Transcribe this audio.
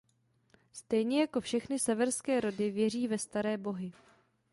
Stejně jako všechny severské rody věří ve staré bohy.